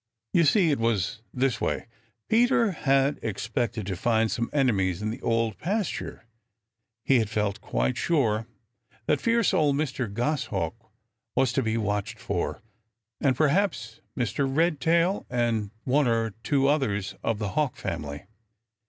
You see, it was this way: Peter had expected to find some enemies in the Old Pasture. He had felt quite sure that fierce old Mr. Goshawk was to be watched for, and perhaps Mr. Redtail and one or two others of the Hawk family.